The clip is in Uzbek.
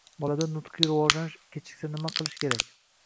Bolada nutqiy rivojlanish kechiksa nima qilish kerak?